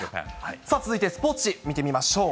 さあ、続いてスポーツ紙見てみましょう。